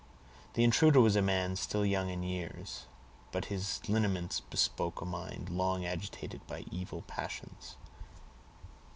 The intruder was a man still young in years, but his lineaments bespoke a mind long agitated by evil passions.